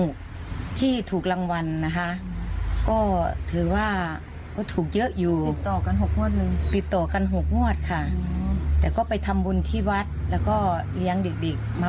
กินหมูกะทะเขาชอบนะคะหมูกะทะทั้งโรงเรียนใช่ค่ะ